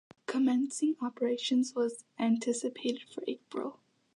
Commencing operations was anticipated for April.